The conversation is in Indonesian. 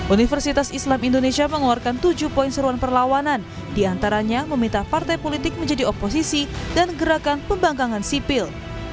universitas islam indonesia mengeluarkan tujuh poin seruan perlawanan diantaranya meminta partai politik menjadi oposisi dan gerakan pembangkangan sipil